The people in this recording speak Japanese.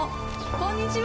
こんにちは。